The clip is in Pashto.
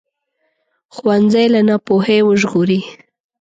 ښوونځی له ناپوهۍ وژغوري